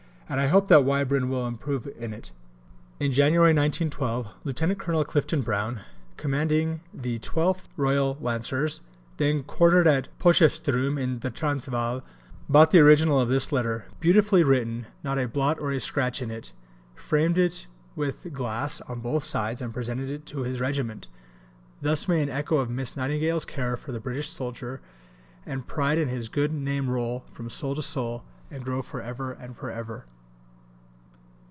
And I hope that Whybron will improve in it. In January 1912 Lieutenant Colonel Clifton Brown, commanding the 12th Royal Lancers, then quartered at Potchefstroom in the Transvaal, bought the original of this letter, "beautifully written, not a blot or a scratch in it," framed it with glass on both sides, and presented it to his regiment. Thus may an echo of Miss Nightingale's care for the British soldier and pride in his good name roll from soul to soul, and grow for ever and for ever.